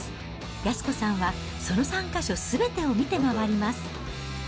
安子さんは、その３か所すべてを見て回ります。